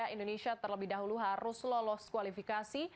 indonesia terlebih dahulu harus lolos kualifikasi